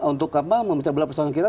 untuk memecah belah persatuan kita